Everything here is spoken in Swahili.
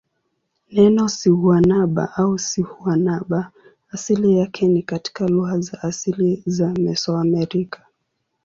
Neno siguanaba au sihuanaba asili yake ni katika lugha za asili za Mesoamerica.